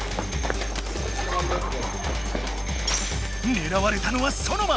ねらわれたのはソノマ！